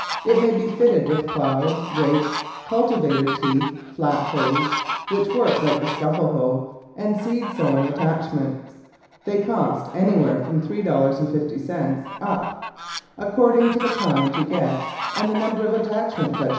It may be fitted with ploughs, rakes, cultivator teeth, flat hoes, which work like the scuffle hoe, and seed sowing attachments. They cost anywhere from $3.50 up, according to the kind you get and the number of attachments that you wish.